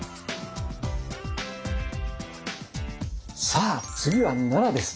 さあ次は奈良です。